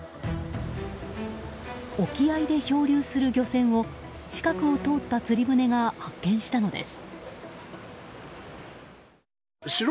沖合で漂流する漁船を近くを通った釣り船が発見したのです。